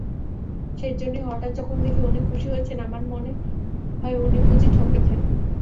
সেইজন্যেই হঠাৎ যখন দেখি উনি খুশি হয়েছেন, আমার মনে হয় উনি বুঝি ঠকেছেন।